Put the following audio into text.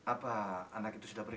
apa anak itu sudah pernah